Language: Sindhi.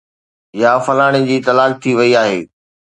يا فلاڻي جي طلاق ٿي وئي آهي